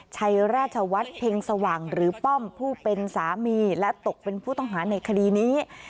ชัยราชวัฒน์เพ็งสว่างหรือป้อมผู้เป็นสามีและตกเป็นผู้ต้องหาในคดีนี้